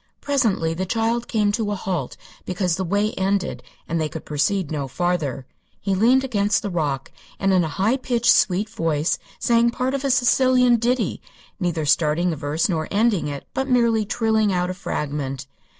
Presently the child came to a halt because the way ended and they could proceed no farther. He leaned against the rock and in a high pitched, sweet voice sang part of a Sicilian ditty, neither starting the verse nor ending it, but merely trilling out a fragment.